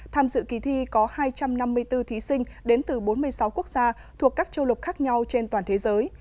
tham dự kỳ thi có hai trăm năm mươi bốn thí sinh đến từ bốn mươi sáu quốc gia thuộc các châu lục khác nhau trên toàn thế giới